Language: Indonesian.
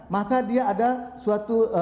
maka dia ada suatu